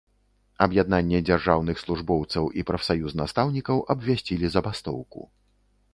Аб'яднанне дзяржаўных службоўцаў і прафсаюз настаўнікаў абвясцілі забастоўку.